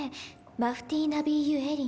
マフティー・ナビーユ・エリン